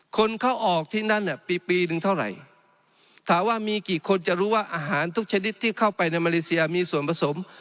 คนเข้าออกที่นั่นเนี่ยปีปีหนึ่งเท่าไหร่ถามว่ามีกี่คนจะรู้ว่าอาหารทุกชนิดที่เข้าไปในมาเลเซียมีส่วนผสม